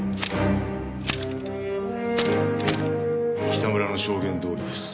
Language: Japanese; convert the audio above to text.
北村の証言どおりです。